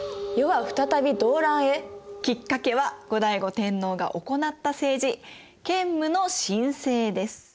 きっかけは後醍醐天皇が行った政治建武の新政です。